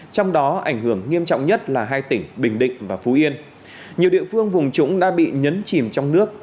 trong đó ảnh hưởng nghiêm trọng nhất là hai tỉnh bình định và phú yên nhiều địa phương vùng trũng đã bị nhấn chìm trong nước